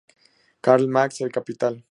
Karl Marx, "El capital".